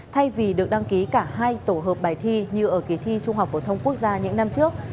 thay vì được đăng ký cả hai tổ hợp bài thi như ở kỳ thi trung học phổ thông quốc gia những năm trước